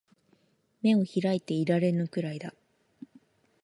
眼を開いていられぬくらいだ